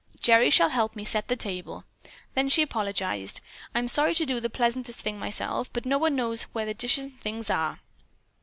Gerry shall help me set the table." Then she apologized: "I'm sorry to do the pleasantest thing myself, but no one else knows where the dishes and things are."